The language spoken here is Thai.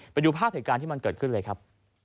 ไปดูภาพเหตุการณ์ที่มันเกิดขึ้นเลยครับ